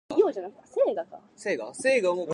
Kestrel and Merlin engines.